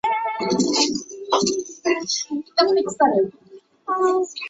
译名为香港明珠台和上海上海外语频道所用。